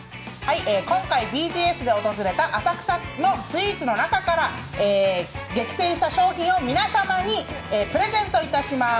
今回ＢＧＳで訪れた浅草のスイーツの中から厳選した商品を皆様にプレゼントいたします。